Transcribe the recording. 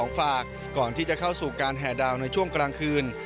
ส่วนการแข่งการฟุตบอลชิงทู่ให้พระราชธานภูพาลราชนิเวศครั้งที่๓๕